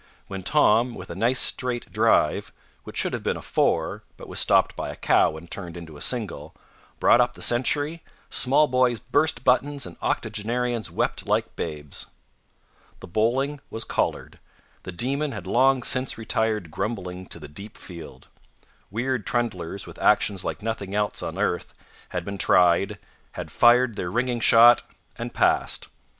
When Tom, with a nice straight drive (which should have been a 4, but was stopped by a cow and turned into a single), brought up the century, small boys burst buttons and octogenarians wept like babes. The bowling was collared. The demon had long since retired grumbling to the deep field. Weird trundlers, with actions like nothing else on earth, had been tried, had fired their ringing shot, and passed.